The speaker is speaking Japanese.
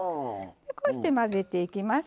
こうして混ぜていきます。